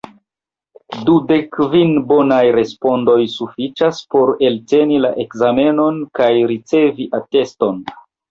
Dudekkvin bonaj respondoj sufiĉas, por elteni la ekzamenon kaj ricevi ateston.